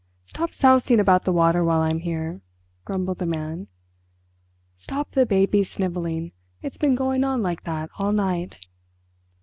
"Stop sousing about the water while I'm here," grumbled the Man. "Stop the baby snivelling; it's been going on like that all night."